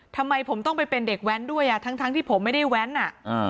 ทำไมผมต้องไปเป็นเด็กแว้นด้วยอ่ะทั้งทั้งที่ผมไม่ได้แว้นอ่ะอ่า